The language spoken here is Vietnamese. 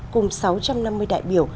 cùng sáu trăm năm mươi đại biểu